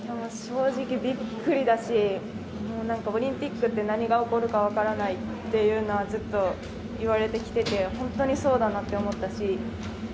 正直ビックリだしオリンピックって何が起こるか分からないっていうのはずっと言われてきてて本当にそうだなって思ったし。